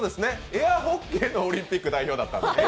エアホッケーのオリンピック代表だったんですね。